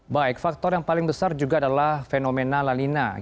baik faktor yang paling besar juga adalah fenomena lalina